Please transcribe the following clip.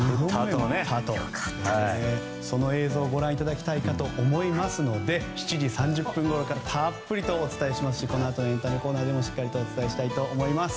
その映像をご覧いただきたいと思いますので７時３０分ごろからたっぷりとお伝えしますしこのあとのエンタメコーナーでもしっかりお伝えします。